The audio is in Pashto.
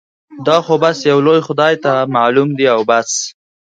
دا خو بس يو لوی خدای ته معلوم دي او بس.